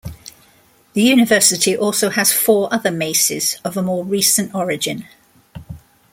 The university also has four other maces of a more recent origin.